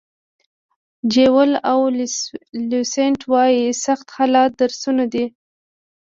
جویل اولیسټن وایي سخت حالات درسونه دي.